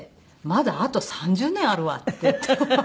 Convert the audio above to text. まだあと３０年あるわってそう思って。